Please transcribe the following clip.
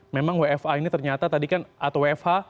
memang wfa ini ternyata tadi kan atau wfh